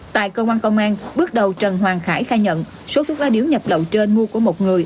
tại cơ quan công an bước đầu trần hoàng khải khai nhận số thuốc lá điếu nhập lậu trên mua của một người